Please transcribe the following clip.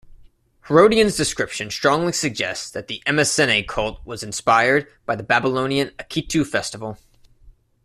Herodian's description strongly suggests that the Emesene cult was inspired by the Babylonian Akitu-festival.